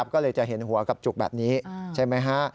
ก็เลยจะเห็นหัวกับจุกแบบนี้ใช่ไหมฮะ